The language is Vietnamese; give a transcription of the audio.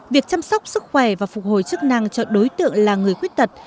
việc chăm sóc sức khỏe và phục hồi chức năng cho đối tượng là người khuyết tật